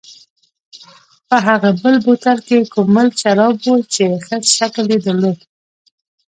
په هغه بل بوتل کې کومل شراب و چې خرس شکل یې درلود.